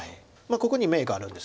ここに眼があるんですけど。